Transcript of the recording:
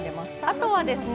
あとはですね